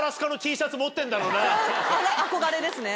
憧れですね。